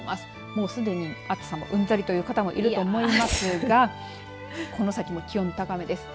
もうすでに暑さもうんざりという方もいると思いますがこの先も気温高めです。